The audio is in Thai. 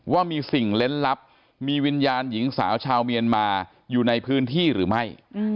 ว่ามีสิ่งเล่นลับมีวิญญาณหญิงสาวชาวเมียนมาอยู่ในพื้นที่หรือไม่